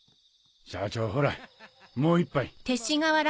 社長ほらもう一杯。